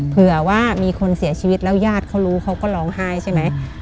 เผื่อว่ามีคนเสียชีวิตแล้วญาติเขารู้เขาก็ร้องไห้ใช่ไหม